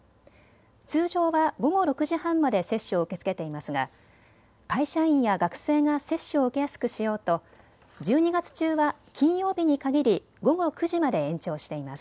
通常は午後６時半まで接種を受け付けていますが会社員や学生が接種を受けやすくしようと１２月中は金曜日に限り午後９時まで延長しています。